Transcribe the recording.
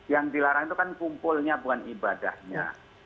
yang dilarang itu kan kumpulnya bukan ibadahnya